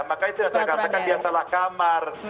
makanya saya katakan dia salah kamar